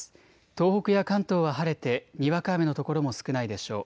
東北や関東は晴れてにわか雨の所も少ないでしょう。